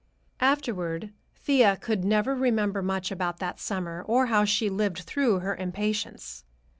Afterward Thea could never remember much about that summer, or how she lived through her impatience.